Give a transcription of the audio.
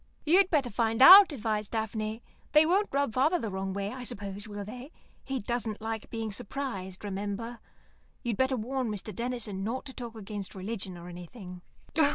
"You'd better find out," advised Daphne. "They won't rub father the wrong way, I suppose, will they? He doesn't like being surprised, remember. You'd better warn Mr. Denison not to talk against religion or anything."